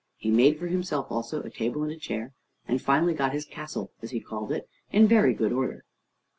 He made for himself also a table and a chair, and finally got his castle, as he called it, in very good order.